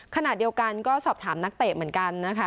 ขณะเดียวกันก็สอบถามนักเตะเหมือนกันนะคะ